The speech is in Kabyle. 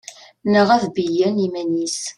Neɣ ad beyyen iman-is.